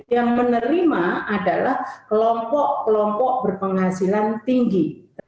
yang menerima adalah kelompok kelompok berpenghasilan tinggi